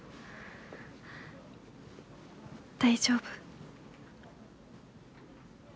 大丈夫？